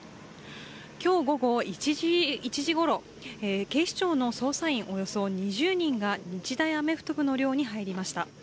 今日午後１時ごろ、警視庁の捜査員およそ２０人が日大アメフト部の寮に入りました。